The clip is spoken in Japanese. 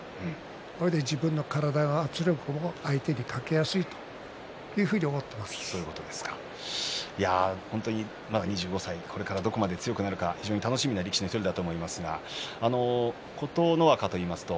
そして自分の体の圧力を相手にかけやすいというふうにまだ２５歳これからどこまで強くなるか楽しみな力士の１人だと思いますが琴ノ若といいますと